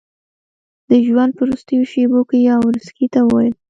د ژوند په وروستیو شېبو کې یاورسکي ته وویل.